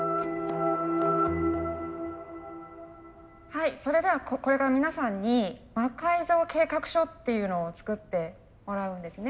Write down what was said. はいそれではこれから皆さんに魔改造計画書っていうのを作ってもらうんですね。